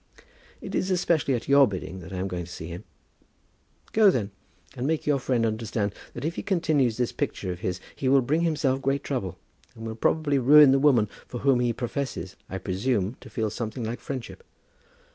"It is especially at your bidding that I am going to see him." "Go, then, and make your friend understand that if he continues this picture of his, he will bring himself to great trouble, and will probably ruin the woman for whom he professes, I presume, to feel something like friendship.